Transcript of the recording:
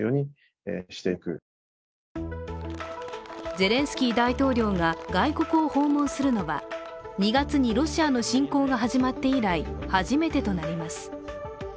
ゼレンスキー大統領が外国を訪問するのは２月にロシアの侵攻が始まって以来初めてとなります。